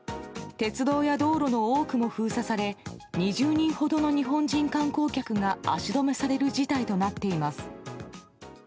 鉄道や道路の多くも封鎖され２０人ほどの日本人観光客が足止めされる事態となっています。